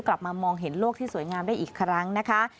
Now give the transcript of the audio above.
กลับมามองเห็นโลกที่สวยงามได้อีกครั้งนะคะ